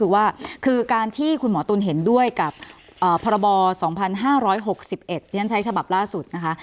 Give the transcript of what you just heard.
คือว่าคือการที่คุณหมอตุ๋นเห็นด้วยกับพรบ๒๕๖๑เรียนใช้ฉบับล่าสุดนะคะ